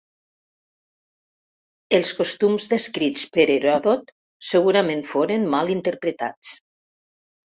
Els costums descrits per Heròdot segurament foren mal interpretats.